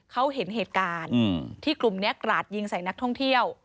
เขาเห็นเหตุการณ์ที่กลุ่มนี้กราดยิงใส่นักท่องเที่ยว